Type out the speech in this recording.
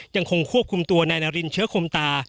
ยังคงควบคุมตัวนายนารินเชื้อคมตา